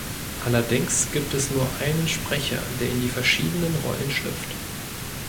Allerdings gibt es nur einen Sprecher, der in die verschiedenen Rollen schlüpft.